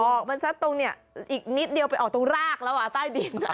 ออกมาซักตรงเนี่ยอีกนิดเดียวไปออกตรงรากแล้วต้ายดิน